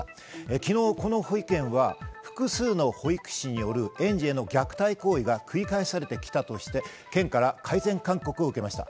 昨日、この保育園は複数の保育士による園児への虐待行為が繰り返されてきたとして、県から改善勧告を受けました。